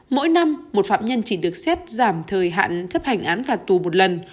mỗi năm một phạm nhân chỉ được xét giảm thời hạn chấp hành án phạt tù một lần